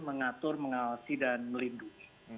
mengatur mengawasi dan melindungi